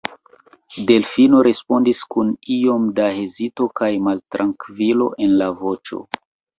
Delfino respondis kun iom da hezito kaj maltrankvilo en la voĉo.